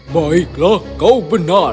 baiklah kau benar